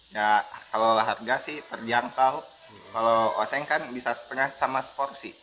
ya kalau lah harga sih terjangkau kalau oseng kan bisa setengah sama seporsi